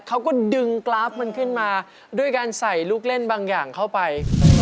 เขาก็ดึงกราฟมันขึ้นมาด้วยการใส่ลูกเล่นบางอย่างเข้าไป